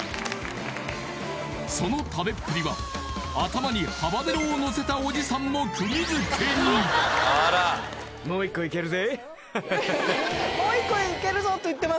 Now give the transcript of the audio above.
その食べっぷりは頭にハバネロをのせたおじさんも釘付けにもう一個いけるぞと言ってます